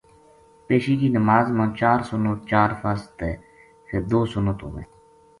پیشی کی نماز ما چار سنت چار فرض تے فر دو سنت ہوویں۔